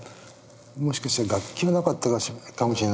もしかしたら楽器はなかったかもしれないけども。